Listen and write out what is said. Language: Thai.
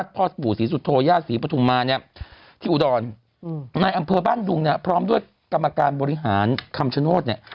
ในอำเภอบ้านดุงเนี่ยพร้อมด้วยกรรมการบริหารคำชโนธเนี่ย